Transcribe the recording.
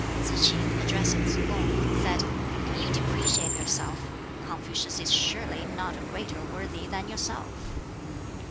Tsz k'in, addressing Tsz kung, said, "You depreciate yourself. Confucius is surely not a greater worthy than yourself."